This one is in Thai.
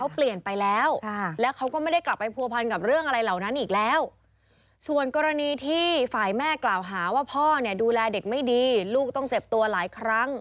พ่อเนี่ยดูแลเด็กไม่ดีลูกต้องเจ็บตัวหลายครั้ง